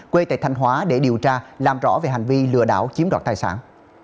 quê tại thanh hóa để điều tra làm rõ về hành vi lừa đảo chiếm đoạt tài sản